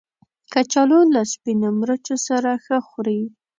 کچالو له سپینو مرچو سره ښه خوري